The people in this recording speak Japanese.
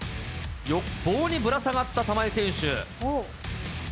棒にぶら下がった玉井選手。